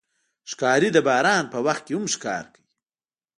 ښکاري د باران په وخت کې هم ښکار کوي.